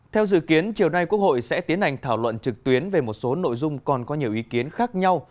theo dự kiến chiều nay quốc hội sẽ tiến hành thảo luận trực tuyến về một số nội dung còn có nhiều ý kiến khác nhau